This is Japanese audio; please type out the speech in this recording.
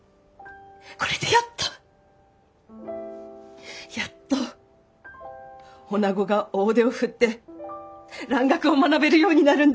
これでやっとやっと女子が大手を振って蘭学を学べるようになるんだ！